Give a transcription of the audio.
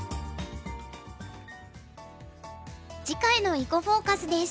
次回の「囲碁フォーカス」です。